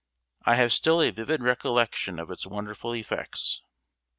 I have still a vivid recollection of its wonderful effects.